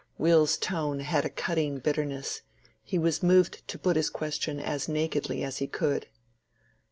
Will's tone had a cutting bitterness: he was moved to put his question as nakedly as he could.